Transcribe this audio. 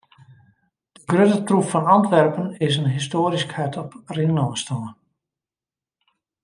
De grutte troef fan Antwerpen is in histoarysk hart op rinôfstân.